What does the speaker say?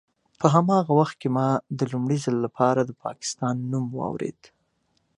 په هماغه وخت کې ما د لومړي ځل لپاره د پاکستان نوم واورېد.